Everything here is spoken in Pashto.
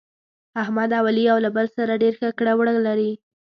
احمد او علي یو له بل سره ډېر ښه کړه وړه لري.